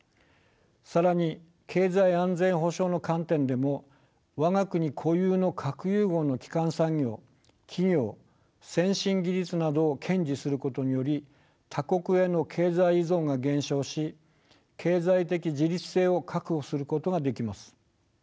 更に経済安全保障の観点でも我が国固有の核融合の基幹産業企業先進技術などを堅持することにより他国への経済依存が減少し経済的自立性を確保することができます。